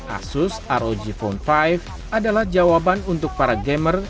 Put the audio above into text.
asus rog phone lima adalah jawaban untuk para gamer